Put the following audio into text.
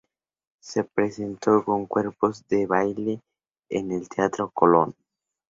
Se presentó con cuerpos de baile en el Teatro Colón.